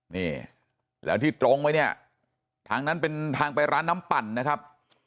นี่แล้วที่ตรงไว้เนี่ยทางนั้นเป็นทางไปร้านน้ำปั่นนะครับ